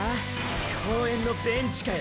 公園のベンチかよ。